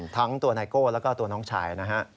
ทั้งตัวไนโก้แล้วก็ตัวน้องชายนะฮะ